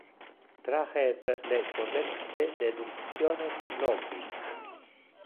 Traher le correcte deductiones logic.